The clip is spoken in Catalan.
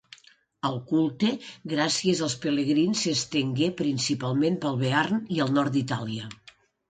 El culte, gràcies als pelegrins, s'estengué principalment pel Bearn i el nord d'Itàlia.